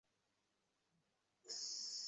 ইহা অষ্টাদশ পর্বে বিভক্ত এবং প্রায় লক্ষশ্লোকে পূর্ণ।